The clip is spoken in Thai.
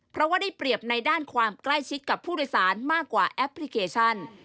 เพราะว่าได้เปรียบในด้านความใกล้ชิดกับผู้โดยสารมากกว่าแอปพลิเคชัน